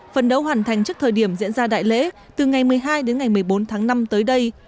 phần đấu hoàn thành trước thời điểm diễn ra đại lễ từ ngày một mươi hai đến ngày một mươi bốn tháng năm tới đây